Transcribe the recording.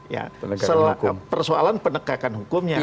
ya persoalan penegakan hukumnya